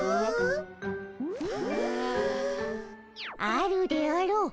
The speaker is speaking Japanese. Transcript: あるであろう。